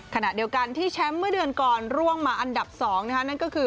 ขณะเดียวกันที่แชมป์เมื่อเดือนก่อนร่วงมาอันดับ๒นั่นก็คือ